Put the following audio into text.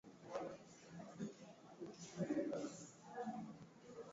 Zinazoonyesha tofauti kubwa kati yake na upande wa magharibi